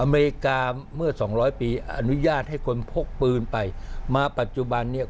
อเมริกาเมื่อสองร้อยปีอนุญาตให้คนพกปืนไปมาปัจจุบันเนี่ย